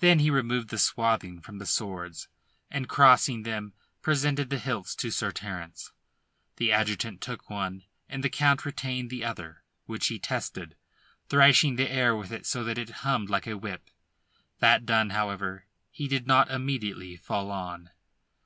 Then he removed the swathing from the swords, and, crossing them, presented the hilts to Sir Terence. The adjutant took one and the Count retained the other, which he tested, thrashing the air with it so that it hummed like a whip. That done, however, he did not immediately fall on.